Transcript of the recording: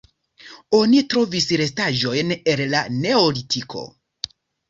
Oni trovis restaĵojn el la neolitiko.